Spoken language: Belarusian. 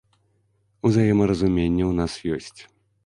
Узаемаразуменне ў нас ёсць.